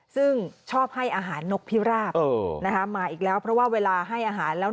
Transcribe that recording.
ซึ่งชอบให้อาหารนกพิราบมาอีกแล้วเพราะว่าเวลาให้อาหารแล้ว